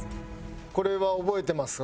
これは覚えてますか？